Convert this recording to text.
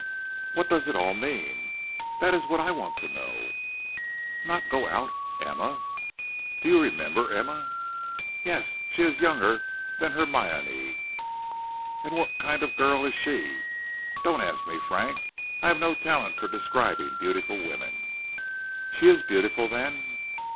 What does it all mean?" "That is what I want to know." "Not go out? Emma!" "Do you remember Emma?" "Yes, she is younger than Hermione." "And what kind of a girl is she?" "Don't ask me, Frank. I have no talent for describing beautiful women." "She is beautiful, then?"